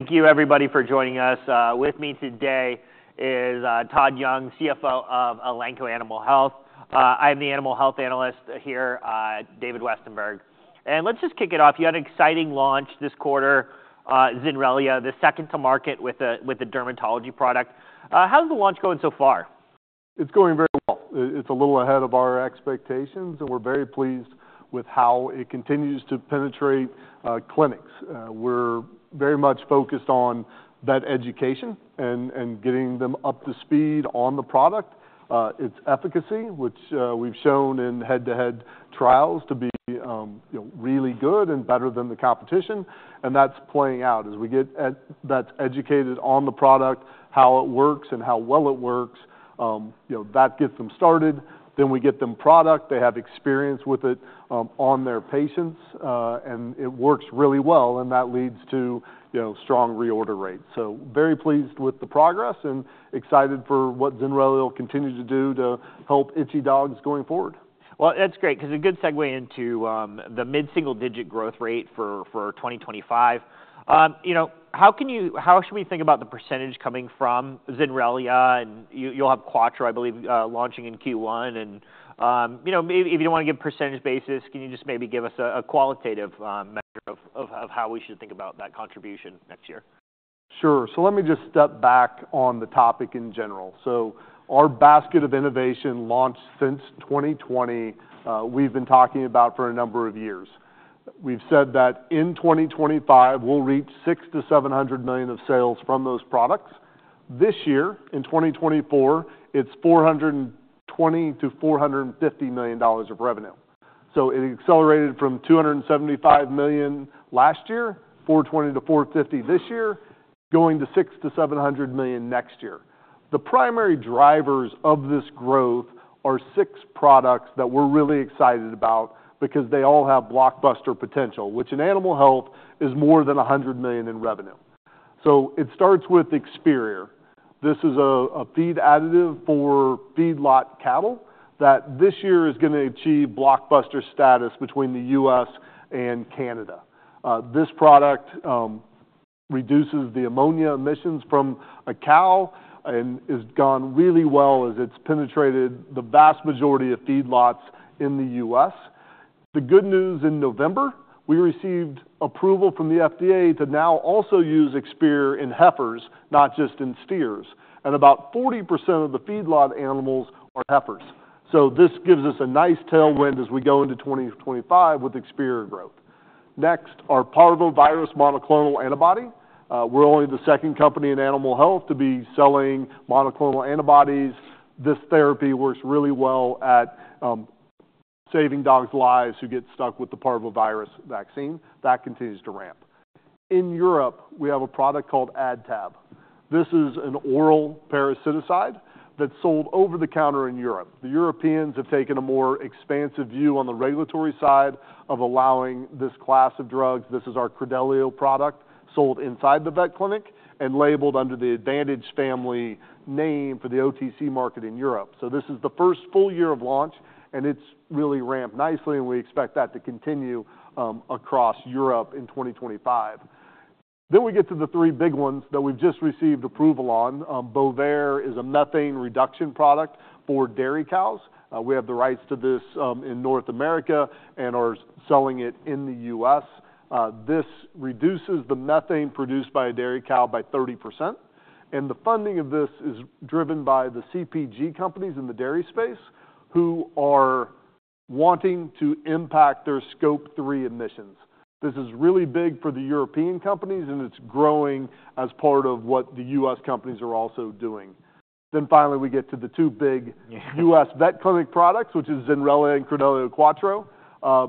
Thank you, everybody, for joining us. With me today is Todd Young, CFO of Elanco Animal Health. I'm the animal health analyst here, David Westenberg. Let's just kick it off. You had an exciting launch this quarter, Zenrelia, the second to market with a dermatology product. How's the launch going so far? It's going very well. It's a little ahead of our expectations, and we're very pleased with how it continues to penetrate clinics. We're very much focused on vet education and getting them up to speed on the product. Its efficacy, which we've shown in head-to-head trials to be really good and better than the competition, and that's playing out. As we get vets educated on the product, how it works and how well it works, that gets them started, then we get them product. They have experience with it on their patients, and it works really well, and that leads to strong reorder rates, so very pleased with the progress and excited for what Zenrelia will continue to do to help itchy dogs going forward. That's great because a good segue into the mid-single-digit growth rate for 2025. How should we think about the percentage coming from Zenrelia? And you'll have Quattro, I believe, launching in Q1. And if you don't want to give percentage basis, can you just maybe give us a qualitative measure of how we should think about that contribution next year? Sure. So let me just step back on the topic in general. So our basket of innovation launched since 2020. We've been talking about it for a number of years. We've said that in 2025, we'll reach $600 million-$700 million of sales from those products. This year, in 2024, it's $420 million-$450 million of revenue. So it accelerated from $275 million last year, $420 million-$450 this year, going to $600 million-$700 million next year. The primary drivers of this growth are six products that we're really excited about because they all have blockbuster potential, which in animal health is more than $100 million in revenue. So it starts with Experior. This is a feed additive for feedlot cattle that this year is going to achieve blockbuster status between the U.S. and Canada. This product reduces the ammonia emissions from a cow and has gone really well as it's penetrated the vast majority of feedlots in the U.S. The good news in November, we received approval from the FDA to now also use Experior in heifers, not just in steers. And about 40% of the feedlot animals are heifers. So this gives us a nice tailwind as we go into 2025 with Experior growth. Next, our Parvovirus Monoclonal Antibody. We're only the second company in animal health to be selling monoclonal antibodies. This therapy works really well at saving dogs' lives who get stuck with the parvovirus. That continues to ramp. In Europe, we have a product called AdTab. This is an oral parasiticide that's sold over the counter in Europe. The Europeans have taken a more expansive view on the regulatory side of allowing this class of drugs. This is our Credelio product sold inside the vet clinic and labeled under the Advantage family name for the OTC market in Europe. So this is the first full year of launch, and it's really ramped nicely, and we expect that to continue across Europe in 2025. Then we get to the three big ones that we've just received approval on. Bovaer is a methane reduction product for dairy cows. We have the rights to this in North America and are selling it in the U.S. This reduces the methane produced by a dairy cow by 30%. And the funding of this is driven by the CPG companies in the dairy space who are wanting to impact their Scope 3 emissions. This is really big for the European companies, and it's growing as part of what the U.S. companies are also doing. Finally, we get to the two big U.S. vet clinic products, which are Zenrelia and Credelio Quattro.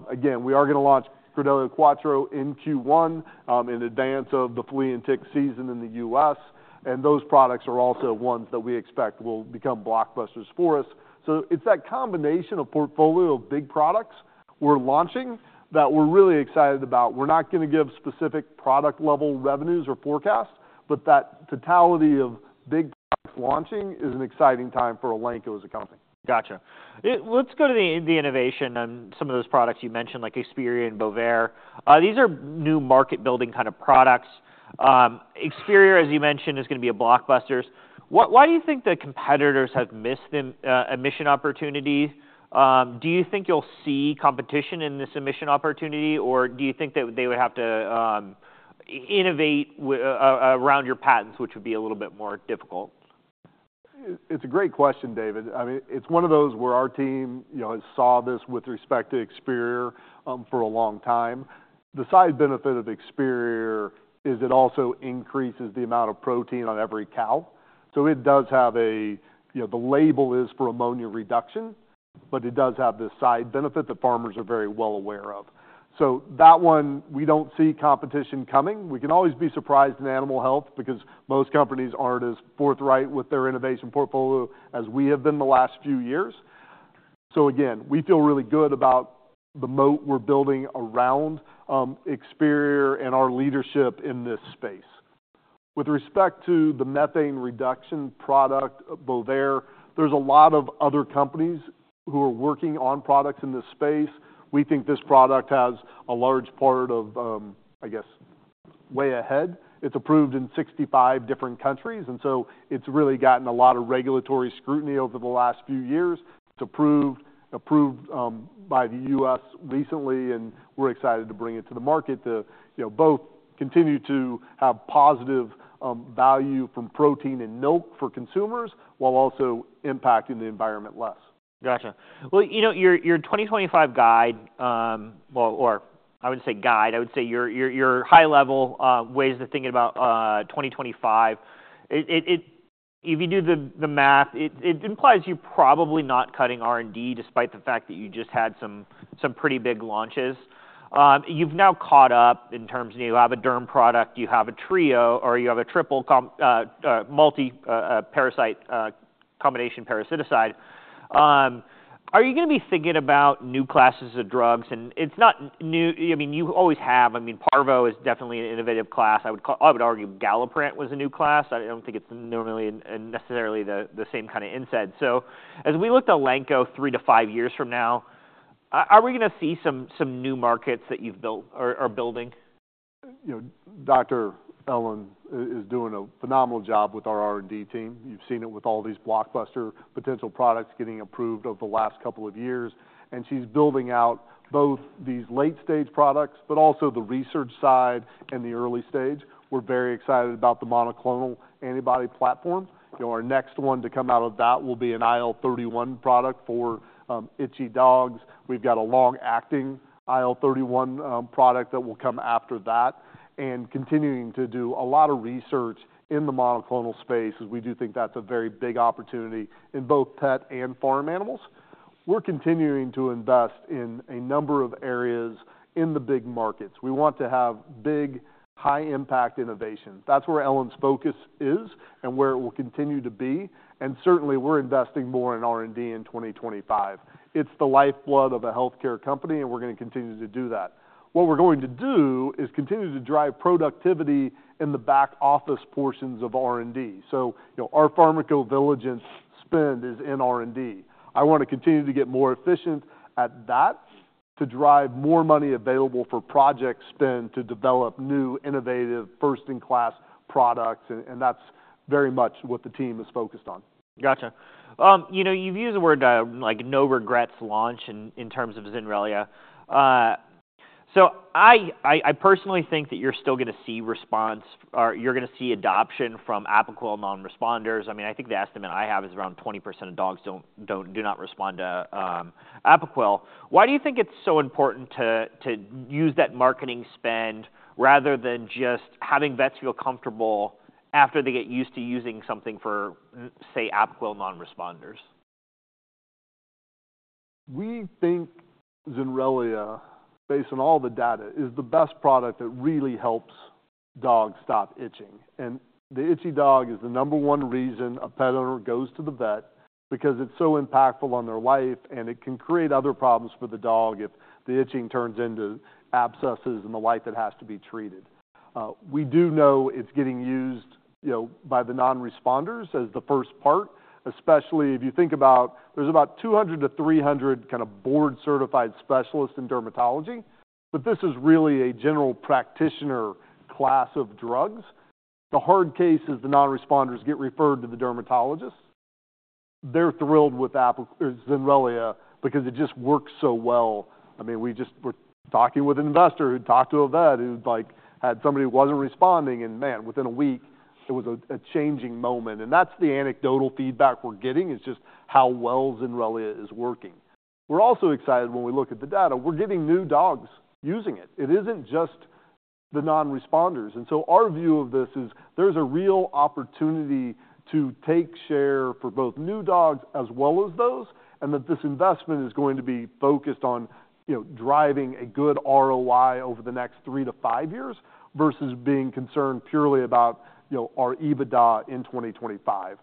Again, we are going to launch Credelio Quattro in Q1 in advance of the flea and tick season in the U.S. And those products are also ones that we expect will become blockbusters for us. So it's that combination of portfolio of big products we're launching that we're really excited about. We're not going to give specific product-level revenues or forecasts, but that totality of big products launching is an exciting time for Elanco as a company. Gotcha. Let's go to the innovation on some of those products you mentioned, like Experior and Bovaer. These are new market-building kind of products. Experior, as you mentioned, is going to be a blockbuster. Why do you think the competitors have missed emission opportunity? Do you think you'll see competition in this emission opportunity, or do you think that they would have to innovate around your patents, which would be a little bit more difficult? It's a great question, David. I mean, it's one of those where our team has seen this with respect to Experior for a long time. The side benefit of Experior is it also increases the amount of protein on every cow. So it does have a, the label is for ammonia reduction, but it does have this side benefit that farmers are very well aware of. So that one, we don't see competition coming. We can always be surprised in animal health because most companies aren't as forthright with their innovation portfolio as we have been the last few years. So again, we feel really good about the moat we're building around Experior and our leadership in this space. With respect to the methane reduction product, Bovaer, there's a lot of other companies who are working on products in this space. We think this product has a large part of, I guess, way ahead. It's approved in 65 different countries, and so it's really gotten a lot of regulatory scrutiny over the last few years. It's approved by the U.S. recently, and we're excited to bring it to the market to both continue to have positive value from protein and milk for consumers while also impacting the environment less. Gotcha. Well, your 2025 guide, or I wouldn't say guide. I would say your high-level ways of thinking about 2025. If you do the math, it implies you're probably not cutting R&D despite the fact that you just had some pretty big launches. You've now caught up in terms of you have a derm product, you have a trio, or you have a triple multi-parasite combination parasiticide. Are you going to be thinking about new classes of drugs? And it's not new. I mean, you always have. I mean, Parvo is definitely an innovative class. I would argue Galliprant was a new class. I don't think it's normally necessarily the same kind of asset. So as we look to Elanco three to five years from now, are we going to see some new markets that you've built or building? Dr. Ellen is doing a phenomenal job with our R&D team. You've seen it with all these blockbuster potential products getting approved over the last couple of years, and she's building out both these late-stage products, but also the research side and the early stage. We're very excited about the monoclonal antibody platform. Our next one to come out of that will be an IL31 product for itchy dogs. We've got a long-acting IL31 product that will come after that, and continuing to do a lot of research in the monoclonal space, as we do think that's a very big opportunity in both pet and farm animals. We're continuing to invest in a number of areas in the big markets. We want to have big, high-impact innovation. That's where Ellen's focus is and where it will continue to be, and certainly, we're investing more in R&D in 2025. It's the lifeblood of a healthcare company, and we're going to continue to do that. What we're going to do is continue to drive productivity in the back-office portions of R&D. So our pharmacovigilance spend is in R&D. I want to continue to get more efficient at that to drive more money available for project spend to develop new, innovative, first-in-class products, and that's very much what the team is focused on. Gotcha. You've used the word no-regrets launch in terms of Zenrelia. So I personally think that you're still going to see response, or you're going to see adoption from Apoquel non-responders. I mean, I think the estimate I have is around 20% of dogs do not respond to Apoquel. Why do you think it's so important to use that marketing spend rather than just having vets feel comfortable after they get used to using something for, say, Apoquel non-responders? We think Zenrelia, based on all the data, is the best product that really helps dogs stop itching, and the itchy dog is the number one reason a pet owner goes to the vet because it's so impactful on their life, and it can create other problems for the dog if the itching turns into abscesses and the like that has to be treated. We do know it's getting used by the non-responders as the first part, especially if you think about there's about 200-300 kind of board-certified specialists in dermatology, but this is really a general practitioner class of drugs. The hard case is the non-responders get referred to the dermatologist. They're thrilled with Zenrelia because it just works so well. I mean, we just were talking with an investor who talked to a vet who had somebody who wasn't responding, and man, within a week, it was a changing moment. And that's the anecdotal feedback we're getting is just how well Zenrelia is working. We're also excited when we look at the data. We're getting new dogs using it. It isn't just the non-responders. And so our view of this is there's a real opportunity to take share for both new dogs as well as those, and that this investment is going to be focused on driving a good ROI over the next three to five years versus being concerned purely about our EBITDA in 2025.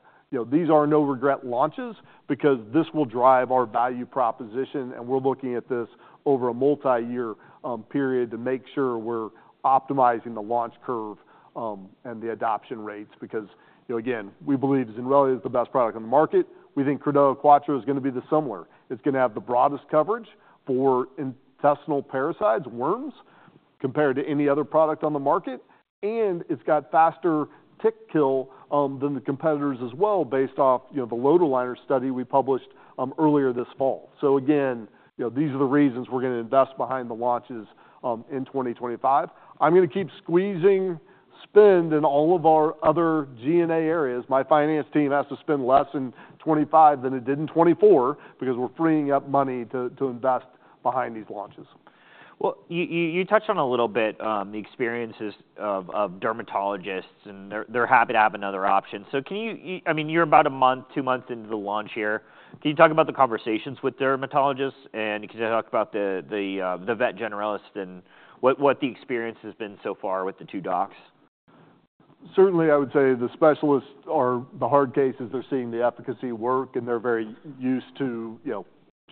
These are no-regret launches because this will drive our value proposition, and we're looking at this over a multi-year period to make sure we're optimizing the launch curve and the adoption rates because, again, we believe Zenrelia is the best product on the market. We think Credelio Quattro is going to be the similar. It's going to have the broadest coverage for intestinal parasites, worms, compared to any other product on the market. And it's got faster tick kill than the competitors as well based off the lotilaner study we published earlier this fall. So again, these are the reasons we're going to invest behind the launches in 2025. I'm going to keep squeezing spend in all of our other G&A areas. My finance team has to spend less in 2025 than it did in 2024 because we're freeing up money to invest behind these launches. You touched on a little bit the experiences of dermatologists, and they're happy to have another option. I mean, you're about a month, two months into the launch here. Can you talk about the conversations with dermatologists, and can you talk about the vet generalist and what the experience has been so far with the two dogs? Certainly, I would say the specialists are the hard case is they're seeing the efficacy work, and they're very used to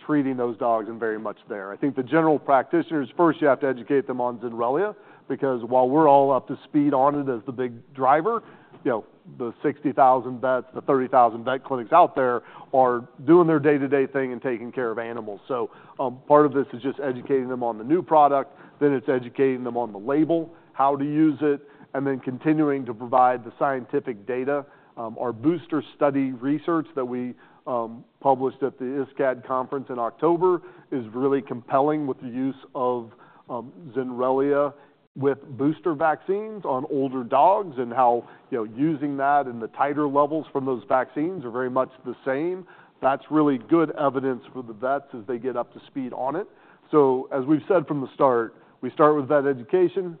treating those dogs and very much there. I think the general practitioners, first, you have to educate them on Zenrelia because while we're all up to speed on it as the big driver, the 60,000 vets, the 30,000 vet clinics out there are doing their day-to-day thing and taking care of animals. So part of this is just educating them on the new product, then it's educating them on the label, how to use it, and then continuing to provide the scientific data. Our booster study research that we published at the ISCAID Conference in October is really compelling with the use of Zenrelia with booster vaccines on older dogs and how using that and the titer levels from those vaccines are very much the same. That's really good evidence for the vets as they get up to speed on it. So as we've said from the start, we start with vet education,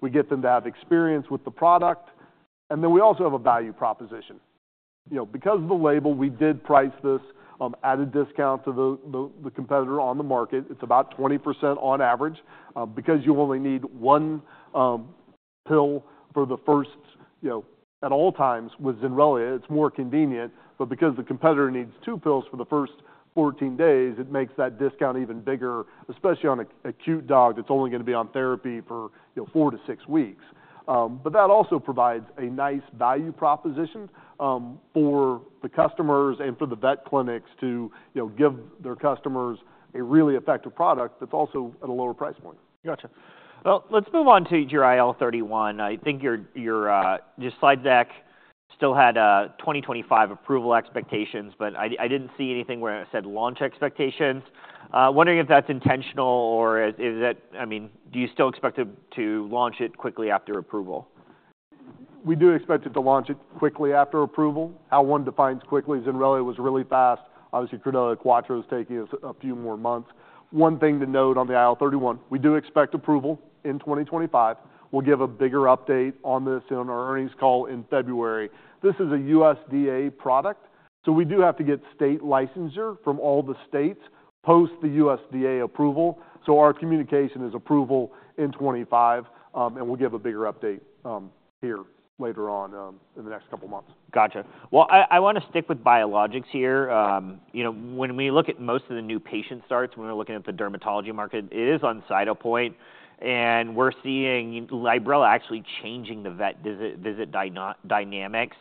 we get them to have experience with the product, and then we also have a value proposition. Because of the label, we did price this at a discount to the competitor on the market. It's about 20% on average. Because you only need one pill for the first at all times with Zenrelia, it's more convenient. But because the competitor needs two pills for the first 14 days, it makes that discount even bigger, especially on an acute dog that's only going to be on therapy for four to six weeks. But that also provides a nice value proposition for the customers and for the vet clinics to give their customers a really effective product that's also at a lower price point. Gotcha. Well, let's move on to your IL31. I think your slide deck still had 2025 approval expectations, but I didn't see anything where it said launch expectations. Wondering if that's intentional or is that, I mean, do you still expect to launch it quickly after approval? We do expect to launch it quickly after approval. How one defines quickly is Zenrelia was really fast. Obviously, Credelio Quattro is taking us a few more months. One thing to note on the IL31, we do expect approval in 2025. We'll give a bigger update on this in our earnings call in February. This is a USDA product, so we do have to get state licensure from all the states post the USDA approval. So our communication is approval in 2025, and we'll give a bigger update here later on in the next couple of months. Gotcha. Well, I want to stick with biologics here. When we look at most of the new patient starts, when we're looking at the dermatology market, it is on the upside, point, and we're seeing Librela actually changing the vet visit dynamics.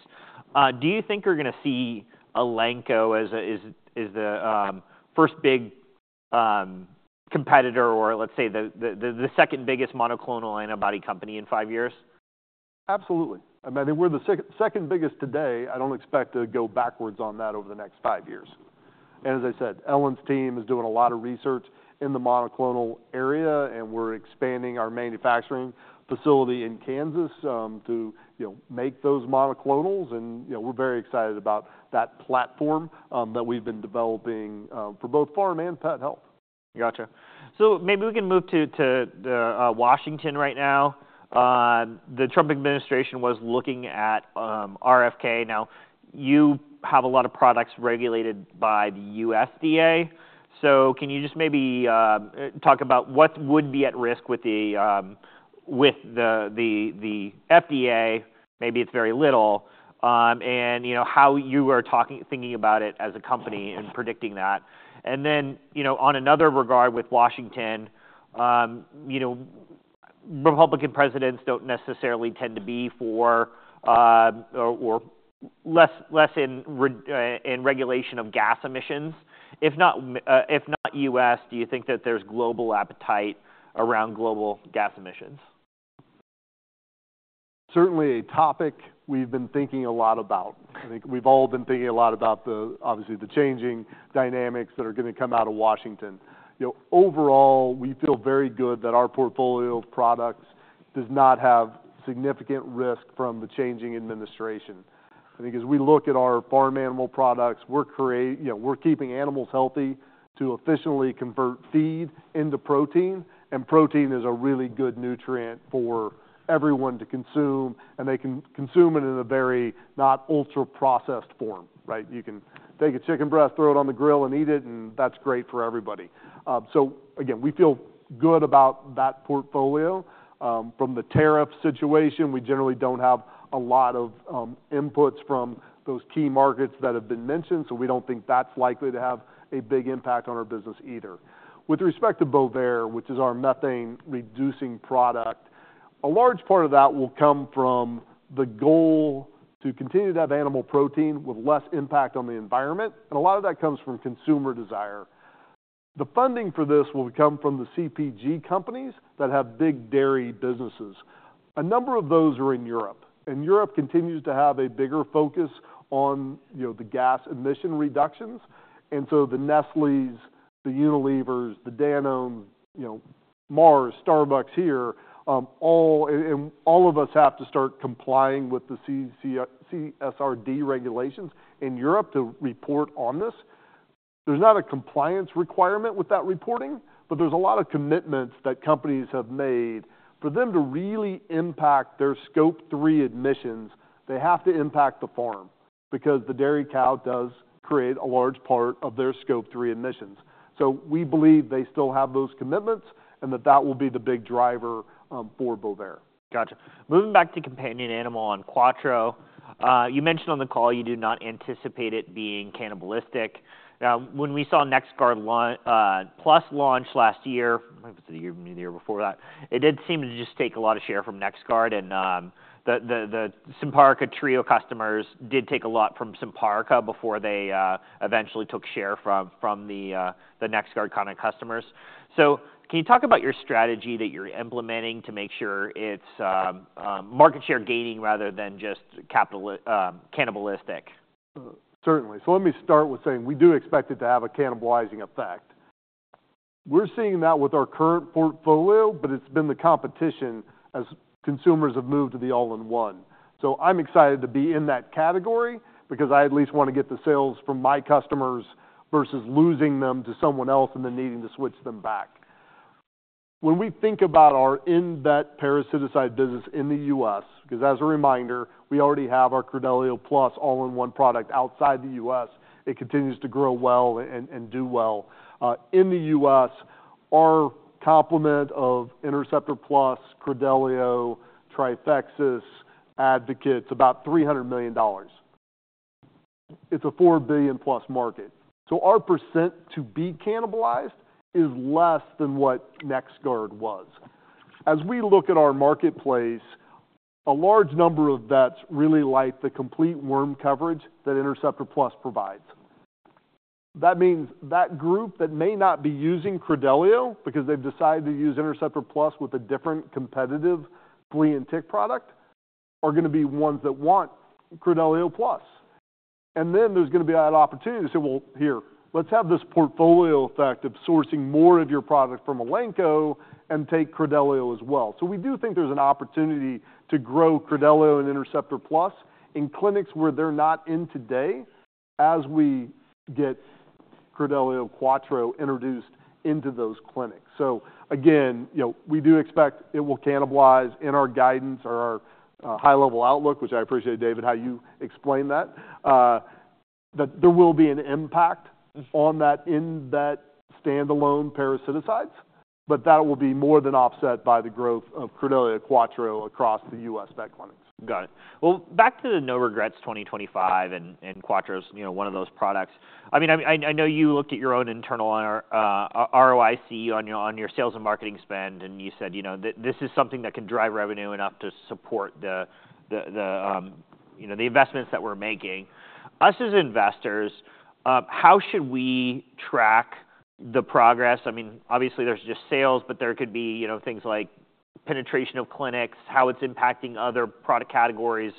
Do you think we're going to see Elanco as the first big competitor or let's say the second biggest monoclonal antibody company in five years? Absolutely. I mean, we're the second biggest today. I don't expect to go backwards on that over the next five years, and as I said, Ellen's team is doing a lot of research in the monoclonal area, and we're expanding our manufacturing facility in Kansas to make those monoclonals, and we're very excited about that platform that we've been developing for both farm and pet health. Gotcha. So maybe we can move to Washington right now. The Trump administration was looking at RFK. Now, you have a lot of products regulated by the USDA. So can you just maybe talk about what would be at risk with the FDA? Maybe it's very little, and how you are thinking about it as a company and predicting that. And then on another regard with Washington, Republican presidents don't necessarily tend to be for or less in regulation of gas emissions. If not U.S., do you think that there's global appetite around global gas emissions? Certainly a topic we've been thinking a lot about. I think we've all been thinking a lot about, obviously, the changing dynamics that are going to come out of Washington. Overall, we feel very good that our portfolio of products does not have significant risk from the changing administration. I think as we look at our farm animal products, we're keeping animals healthy to efficiently convert feed into protein, and protein is a really good nutrient for everyone to consume, and they can consume it in a very not ultra-processed form. You can take a chicken breast, throw it on the grill, and eat it, and that's great for everybody. Again, we feel good about that portfolio. From the tariff situation, we generally don't have a lot of inputs from those key markets that have been mentioned, so we don't think that's likely to have a big impact on our business either. With respect to Bovaer, which is our methane-reducing product, a large part of that will come from the goal to continue to have animal protein with less impact on the environment, and a lot of that comes from consumer desire. The funding for this will come from the CPG companies that have big dairy businesses. A number of those are in Europe, and Europe continues to have a bigger focus on the gas emission reductions, and so the Nestlé, the Unilever, the Danone, Mars, Starbucks here, all of us have to start complying with the CSRD regulations in Europe to report on this. There's not a compliance requirement with that reporting, but there's a lot of commitments that companies have made. For them to really impact their Scope 3 emissions, they have to impact the farm because the dairy cow does create a large part of their Scope 3 emissions. So we believe they still have those commitments and that that will be the big driver for Bovaer. Gotcha. Moving back to companion animal on Quattro. You mentioned on the call you do not anticipate it being cannibalistic. Now, when we saw NexGard PLUS launch last year, I believe it was the year before that, it did seem to just take a lot of share from NexGard, and the Simparica Trio customers did take a lot from Simparica before they eventually took share from the NexGard customers. So can you talk about your strategy that you're implementing to make sure it's market share gaining rather than just cannibalistic? Certainly. So let me start with saying we do expect it to have a cannibalizing effect. We're seeing that with our current portfolio, but it's been the competition as consumers have moved to the all-in-one. So I'm excited to be in that category because I at least want to get the sales from my customers versus losing them to someone else and then needing to switch them back. When we think about our in-pet parasiticide business in the U.S., because as a reminder, we already have our Credelio PLUS all-in-one product outside the U.S., it continues to grow well and do well. In the U.S., our complement of Interceptor Plus, Credelio, Trifexis, Advocate, it's about $300 million. It's a $4 billion+ market. So our percent to be cannibalized is less than what NexGard was. As we look at our marketplace, a large number of vets really like the complete worm coverage that Interceptor Plus provides. That means that group that may not be using Credelio because they've decided to use Interceptor Plus with a different competitive flea and tick product are going to be ones that want Credelio PLUS, and then there's going to be that opportunity to say, "Well, here, let's have this portfolio effect of sourcing more of your product from Ellenco and take Credelio as well," so we do think there's an opportunity to grow Credelio and Interceptor Plus in clinics where they're not in today as we get Credelio Quattro introduced into those clinics. So again, we do expect it will cannibalize in our guidance or our high-level outlook, which I appreciate, David, how you explain that, that there will be an impact on that in pet standalone parasiticides, but that will be more than offset by the growth of Credelio Quattro across the U.S. vet clinics. Got it. Well, back to the no-regrets 2025 and Quattro's one of those products. I mean, I know you looked at your own internal ROIC on your sales and marketing spend, and you said this is something that can drive revenue enough to support the investments that we're making. Us as investors, how should we track the progress? I mean, obviously, there's just sales, but there could be things like penetration of clinics, how it's impacting other product categories,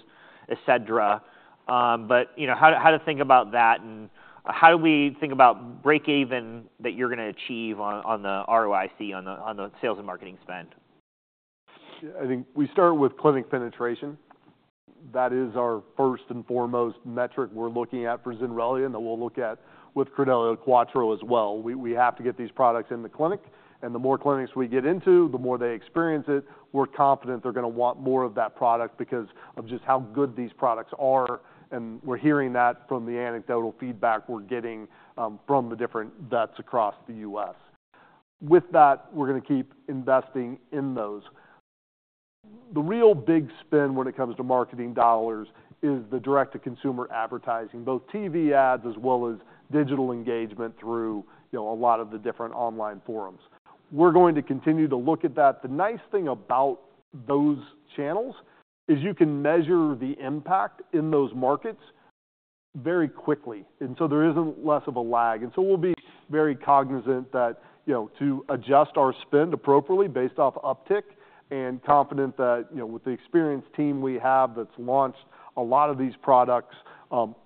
etc. But how to think about that and how do we think about break-even that you're going to achieve on the ROIC, on the sales and marketing spend? I think we start with clinic penetration. That is our first and foremost metric we're looking at for Zenrelia and that we'll look at with Credelio Quattro as well. We have to get these products in the clinic, and the more clinics we get into, the more they experience it, we're confident they're going to want more of that product because of just how good these products are. And we're hearing that from the anecdotal feedback we're getting from the different vets across the U.S. With that, we're going to keep investing in those. The real big spend when it comes to marketing dollars is the direct-to-consumer advertising, both TV ads as well as digital engagement through a lot of the different online forums. We're going to continue to look at that. The nice thing about those channels is you can measure the impact in those markets very quickly. And so there isn't less of a lag. And so we'll be very cognizant that to adjust our spend appropriately based off uptick and confident that with the experienced team we have that's launched a lot of these products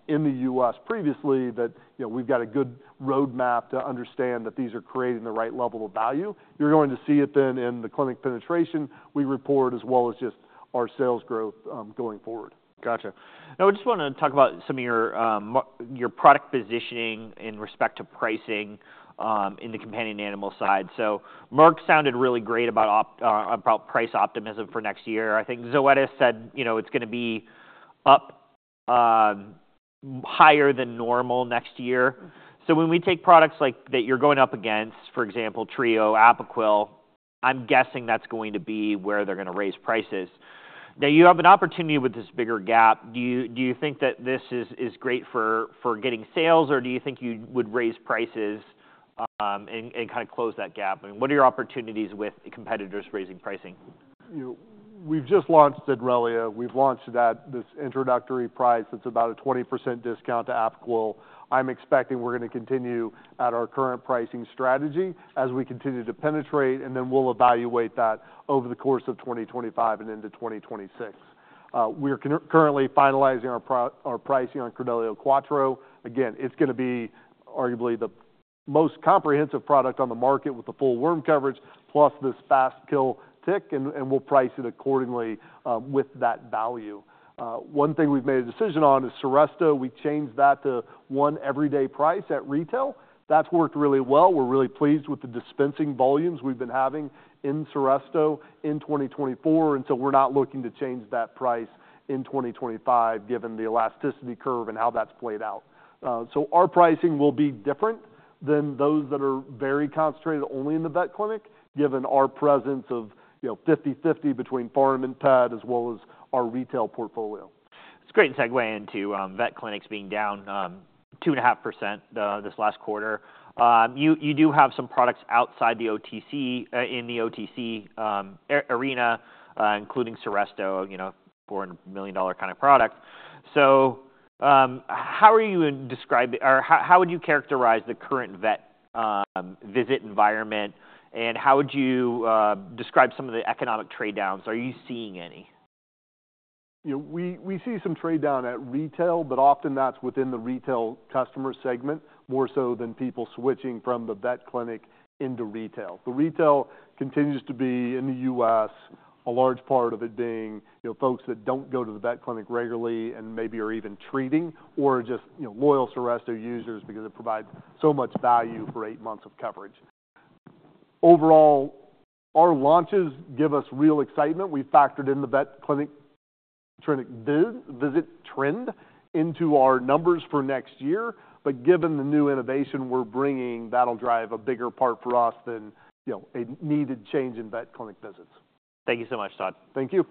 in the U.S. previously, that we've got a good roadmap to understand that these are creating the right level of value. You're going to see it then in the clinic penetration we report as well as just our sales growth going forward. Gotcha. Now, I just want to talk about some of your product positioning in respect to pricing in the companion animal side. So Merck sounded really great about price optimism for next year. I think Zoetis said it's going to be up higher than normal next year. So when we take products that you're going up against, for example, Trio, Apoquel, I'm guessing that's going to be where they're going to raise prices. Now, you have an opportunity with this bigger gap. Do you think that this is great for getting sales, or do you think you would raise prices and kind of close that gap? I mean, what are your opportunities with competitors raising pricing? We've just launched Credelio. We've launched this introductory price that's about a 20% discount to Apoquel. I'm expecting we're going to continue at our current pricing strategy as we continue to penetrate, and then we'll evaluate that over the course of 2025 and into 2026. We're currently finalizing our pricing on Credelio Quattro. Again, it's going to be arguably the most comprehensive product on the market with the full worm coverage, plus this fast-kill tick, and we'll price it accordingly with that value. One thing we've made a decision on is Seresto. We changed that to one everyday price at retail. That's worked really well. We're really pleased with the dispensing volumes we've been having in Seresto in 2024, and so we're not looking to change that price in 2025 given the elasticity curve and how that's played out. So our pricing will be different than those that are very concentrated only in the vet clinic given our presence of 50%-50% between farm and pet as well as our retail portfolio. It's a great segue into vet clinics being down 2.5% this last quarter. You do have some products outside the OTC in the OTC arena, including Seresto, $4 million kind of product. So how are you describing or how would you characterize the current vet visit environment, and how would you describe some of the economic trade-downs? Are you seeing any? We see some trade-down at retail, but often that's within the retail customer segment more so than people switching from the vet clinic into retail. The retail continues to be in the U.S., a large part of it being folks that don't go to the vet clinic regularly and maybe are even treating or just loyal Seresto users because it provides so much value for eight months of coverage. Overall, our launches give us real excitement. We've factored in the vet clinic visit trend into our numbers for next year, but given the new innovation we're bringing, that'll drive a bigger part for us than a needed change in vet clinic visits. Thank you so much, Todd. Thank you.